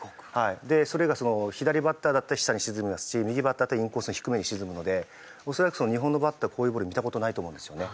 それが左バッターだったら下に沈みますし右バッターだったらインコースに低めに沈むので恐らく日本のバッターはこういうボールは見た事ないと思うんですよね。